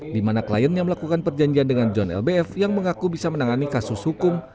di mana kliennya melakukan perjanjian dengan john lbf yang mengaku bisa menangani kasus hukum